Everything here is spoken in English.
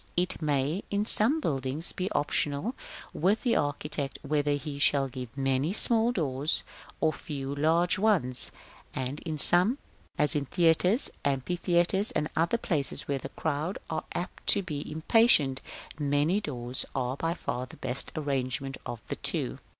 It may, in some buildings, be optional with the architect whether he shall give many small doors, or few large ones; and in some, as theatres, amphitheatres, and other places where the crowd are apt to be impatient, many doors are by far the best arrangement of the two.